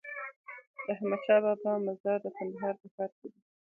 د احمدشاهبابا مزار د کندهار په ښار کی دی